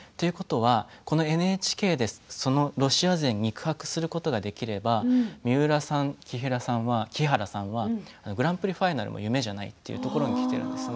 このＮＨＫ杯でロシア勢に肉薄することができれば三浦さん木原さんはグランプリファイナルも夢じゃないところにきているんですね。